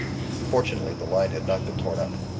Fortunately the line had not been torn up.